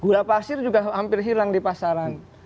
gula pasir juga hampir hilang di pasaran